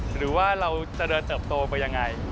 หรือว่าเราจะเดินเติบโตไปยังไง